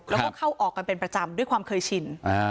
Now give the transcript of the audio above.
แล้วก็เข้าออกกันเป็นประจำด้วยความเคยชิน